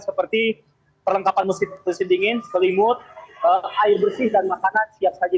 seperti perlengkapan musim dingin selimut air bersih dan makanan siap saji